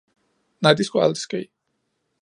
Nej, det skulle aldrig ske